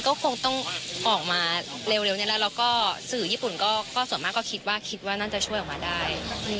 คิดว่ามันก็คงต้องออกมาเร็วแล้วก็สื่อญี่ปุ่นก็ส่วนมากก็คิดว่าน่าจะช่วยออกมาได้